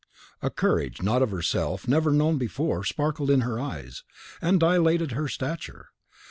A courage not of herself, never known before, sparkled in her eyes, and dilated her stature.